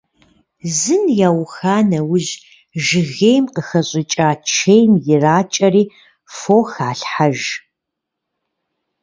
Зын яуха нэужь жыгейм къыхэщӏыкӏа чейм иракӀэри фо халъхьэж.